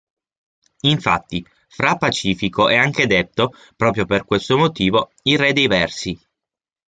Infatti, fra' Pacifico è anche detto, proprio per questo motivo, il "Re dei versi".